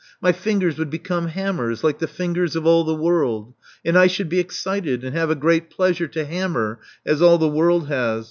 My fingers would become hammers, like the fingers of all the world; and I should be excited, and have a great pleasure to hammer, as all the world has.